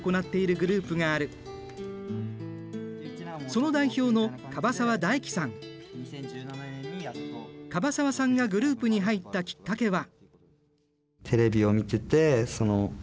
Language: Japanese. その代表の椛沢さんがグループに入ったきっかけは。